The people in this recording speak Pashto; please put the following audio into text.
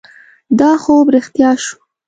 دا خوب رښتیا شو.